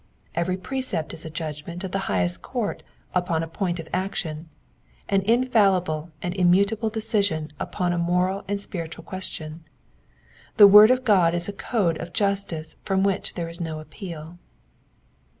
Every precept is a judgment of the highest court upon a point of action, an infallible and immutable decision upon a moral or spiritual ques tion. The word of God is a code of justice from which there is no appeal.